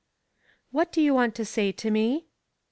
" What do you want to say to me